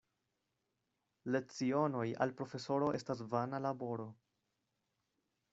Lecionoj al profesoro estas vana laboro.